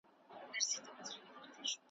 په خپل زړه یې د دانې پر لور ګزر سو `